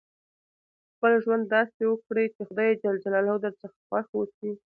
خپل ژوند داسي وکړئ، چي خدای جل جلاله درڅخه خوښ اوسي.